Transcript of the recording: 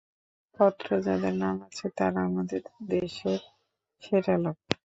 পত্র যাঁদের নাম আছে, তাঁরা আমাদের দেশের সেরা লোক।